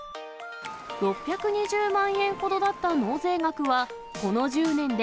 ６２０万円ほどだった納税額は、この１０年で、